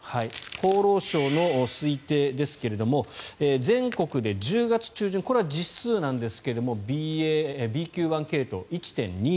厚労省の推定ですが全国で１０月中旬これは実数なんですがＢＱ．１系統、１．２６％。